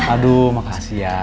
aduh makasih ya